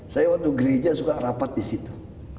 saya waktu gereja suka rapat di situ